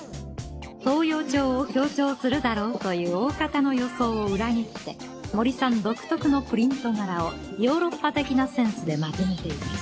東洋調を強調するだろうという大方の予想を裏切って森さん独特のプリント柄をヨーロッパ的なセンスでまとめています」。